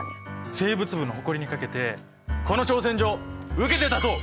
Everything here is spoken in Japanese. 生物部の誇りに懸けてこの挑戦状受けて立とう！